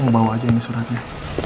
bawa saja ini suratnya